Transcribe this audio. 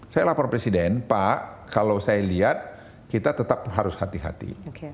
saya lapor presiden pak kalau saya lihat kita tetap harus hati hati